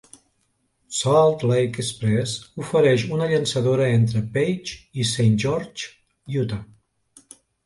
Salt Lake Express ofereix una llançadora entre Page i Saint George, Utah.